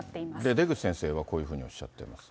出口先生はこういうふうにおっしゃってますね。